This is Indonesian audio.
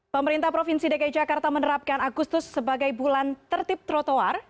pemerintah provinsi dki jakarta menerapkan agustus sebagai bulan tertib trotoar